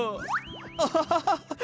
アハハハハッ！